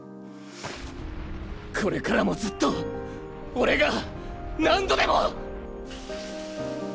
これからも、ずっと俺が何度でも。